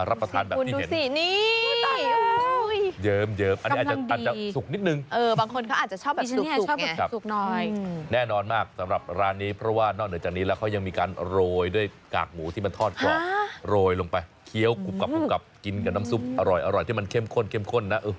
ดูสินี่ยืมยืมอันนี้อาจจะสุกนิดนึงบางคนเขาอาจจะชอบสุกแน่นอนมากสำหรับร้านนี้เพราะว่านอกเหนือจากนี้แล้วเขายังมีการโรยด้วยกากหมูที่มันทอดกว่าโรยลงไปเคี้ยวกลับกินกับน้ำซุปอร่อยที่มันเข้มข้นนะ